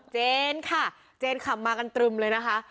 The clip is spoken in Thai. เจนค่ะเจนขับมากันตรึมเลยนะคะ